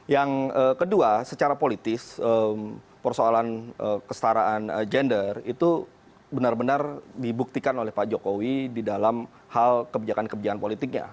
yang kedua secara politis persoalan kestaraan gender itu benar benar dibuktikan oleh pak jokowi di dalam hal kebijakan kebijakan politiknya